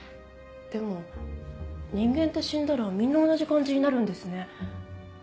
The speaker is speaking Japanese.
でも人間って死んだらみんな同じ感じになるんですね。